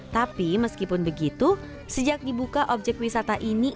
tapi meskipun begitu sejak dibuka objek wisata ini